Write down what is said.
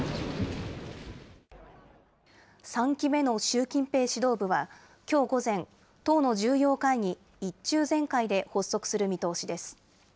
３期目の習近平指導部は、きょう午前、党の重要会議、１中全会で発足する見通しです。